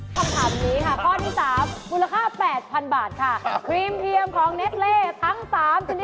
คำถามนี้ค่ะข้อที่๓มูลค่า๘๐๐๐บาทค่ะครีมเทียมของเนสเล่ทั้ง๓ชนิด